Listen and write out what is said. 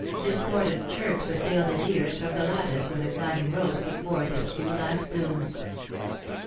Discordant chirps assailed his ears from the lattice where the climbing rose put forth its few last blooms.